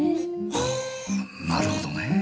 はぁなるほどね。